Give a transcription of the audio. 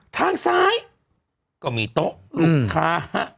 ทางซ้ายก็มีโต๊ะลูกค้า